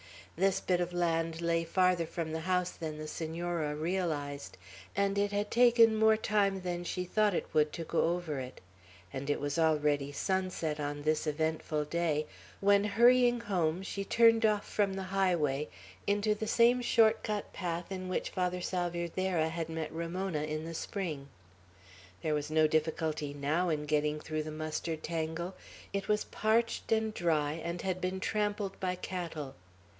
This bit of land lay farther from the house than the Senora realized, and it had taken more time than she thought it would, to go over it; and it was already sunset on this eventful day, when, hurrying home, she turned off from the highway into the same shortcut path in which Father Salvierderra had met Ramona in the spring. There was no difficulty now in getting through the mustard tangle. It was parched and dry, and had been trampled by cattle.